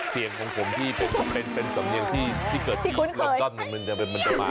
เสียงของผมที่เป็นสำเนียงที่เกิดที่ลอนดอนเป็นมันตะม้า